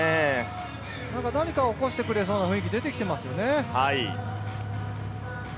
何か起こしてくれそうな雰囲気が出てきてますよね。